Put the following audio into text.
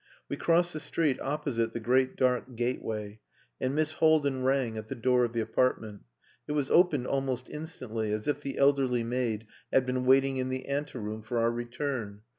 We crossed the street opposite the great dark gateway, and Miss Haldin rang at the door of the apartment. It was opened almost instantly, as if the elderly maid had been waiting in the ante room for our return.